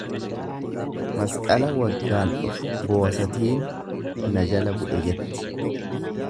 Masqala waggaan dhufu boosatiin na jala bu'e jetti.